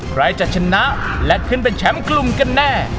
ใครจะชนะและขึ้นเป็นแชมป์กลุ่มกันแน่